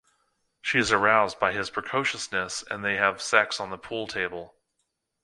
She is aroused by his precociousness, and they have sex on the pool table.